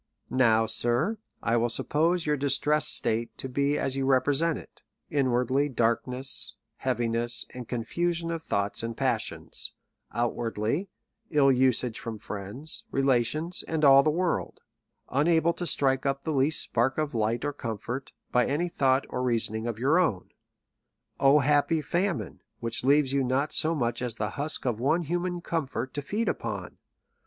Now, Sir, I will suppose your distressed state to be as you represent it ; inwardly, darkness, heaviness, and confusion of thoughts and passions ; outwardly, ill usage from friends, relations, and all the world ; Tinable to strike up the least spark of light or comfort, by any thought or reasoning of your own. O happy famine, which leaves you not so much as the husk of one human comfort to feed upon